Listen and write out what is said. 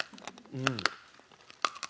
うん。